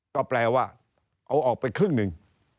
ก็แปลว่าเอาออกไปครึ่ง๑